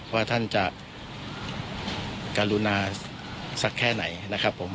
ว่าท่านจะกรุณาสักแค่ไหนนะครับผม